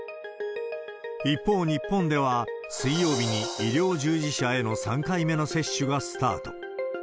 一方、日本では水曜日に医療従事者への３回目の接種がスタート。